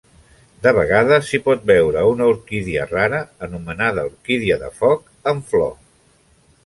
De vegades, s'hi pot veure una orquídia rara, anomenada "orquídia de foc", en flor.